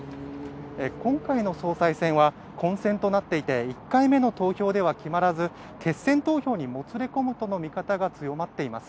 今回の総裁選は混戦となっていて１回目の投票では決まらず決選投票にもつれ込むとの見方が強まっています。